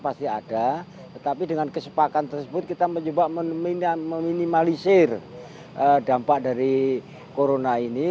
pasti ada tetapi dengan kesepakatan tersebut kita mencoba meminimalisir dampak dari corona ini